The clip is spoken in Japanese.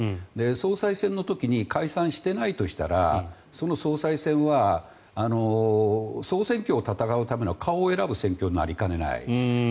総裁選の時に解散していないとしたらその総裁選は総選挙を戦うための顔を選ぶ選挙になりかねない。